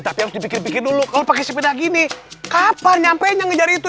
tapi harus dipikir pikir dulu kalau pakai sepeda gini kapan nyampenya ngejar itu